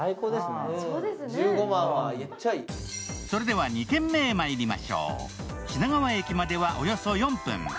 それでは２軒目へまいりましょう品川駅まではおよそ４分。